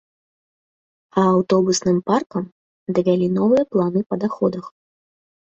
А аўтобусным паркам давялі новыя планы па даходах.